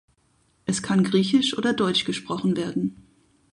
Es kann griechisch oder deutsch gesprochen werden.